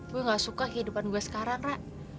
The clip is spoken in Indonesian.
gue gak suka kehidupan gue sekarang rak